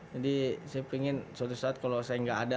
jadi saya pingin suatu saat kalau saya gak ada